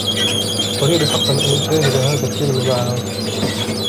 أريد حقا أن أشاهد هذا الفيلم معها.